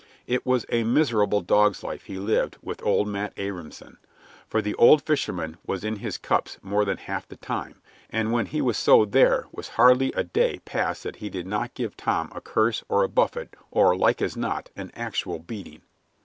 It was a miserable dog's life he lived with old Matt Abrahamson, for the old fisherman was in his cups more than half the time, and when he was so there was hardly a day passed that he did not give Tom a curse or a buffet or, as like as not, an actual beating.